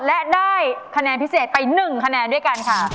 และได้คะแนนพิเศษไป๑คะแนนด้วยกันค่ะ